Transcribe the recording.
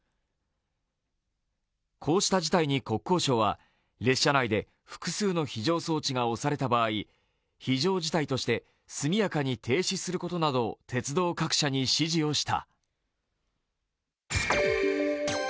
こうした事態に国交省は、列車内で複数の非常装置が押された場合非常事態として速やかに停車することなどを鉄道各社に指示をした。